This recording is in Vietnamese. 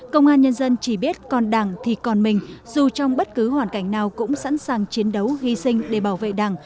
công an nhân dân chỉ biết còn đảng thì còn mình dù trong bất cứ hoàn cảnh nào cũng sẵn sàng chiến đấu hy sinh để bảo vệ đảng